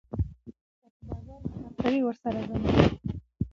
که په بازار مې خرڅوي، ورسره ځمه